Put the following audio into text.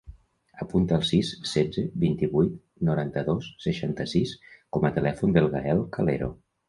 Apunta el sis, setze, vint-i-vuit, noranta-dos, seixanta-sis com a telèfon del Gaël Calero.